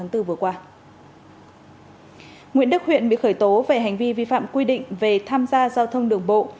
nguyễn đức huyện bị khởi tố về hành vi vi phạm quy định về tham gia giao thông đường bộ